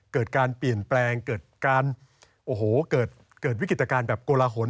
เกิดการเปลี่ยนแปลงเกิดวิกฤตการณ์แบบโกลาหล